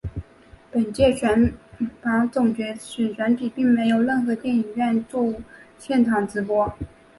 本届选拔总选举并没有任何电影院作现场直播。